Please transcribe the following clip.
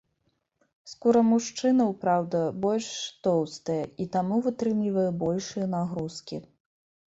Скура мужчынаў, праўда, больш тоўстая і таму вытрымлівае большыя нагрузкі.